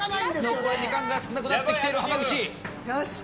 残り時間が少なくなってきている浜口。